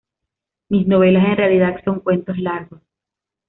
Mis novelas en realidad son cuentos largos".